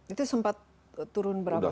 itu sempat turun berapa ya pak